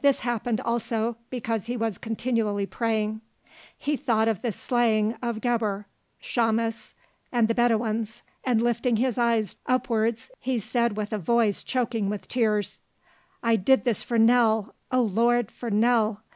This happened also because he was continually praying. He thought of the slaying of Gebhr, Chamis, and the Bedouins, and lifting his eyes upwards he said with a voice choking with tears: "I did this for Nell, oh Lord, for Nell!